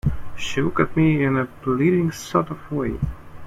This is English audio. She looked at me in a pleading sort of way.